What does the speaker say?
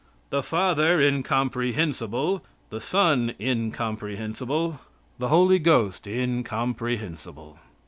The Father incomprehensible, the Son incomprehensible, the Holy Ghost incomprehensible.